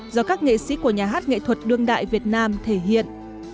do các nghệ sĩ của nhà hát nghệ thuật đương đại việt nam thể hiện